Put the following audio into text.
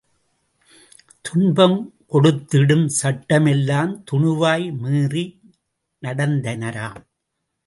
துன்பம் கொடுத்திடும் சட்டமெலாம் துணிவாய் மீறி நடந்தனராம்.